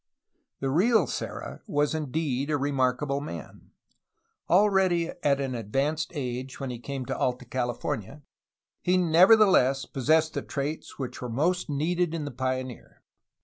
The real Serra was indeed a remarkable man. Already at an advanced age when he came to Alta California, he never theless possessed the traits which were most needed in the pioneer.